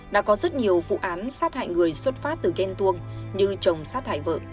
đã có rất nhiều vụ án sát hại người xuất phát từ ghen tuông như chồng sát hại vợ